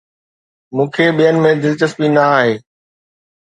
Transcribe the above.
مون کي ٻين ۾ دلچسپي نه آهي